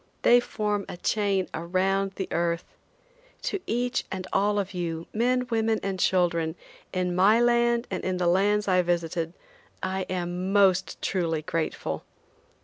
They form a chain around the earth. To each and all of you, men, women and children, in my land and in the lands I visited, I am most truly grateful.